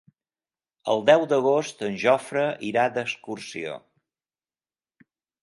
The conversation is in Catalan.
El deu d'agost en Jofre irà d'excursió.